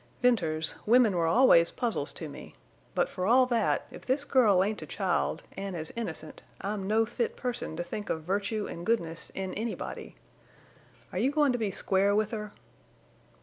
"Venters, women were always puzzles to me. But for all that, if this girl ain't a child, an' as innocent, I'm no fit person to think of virtue an' goodness in anybody. Are you goin' to be square with her?"